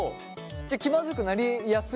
じゃあ気まずくなりやすい？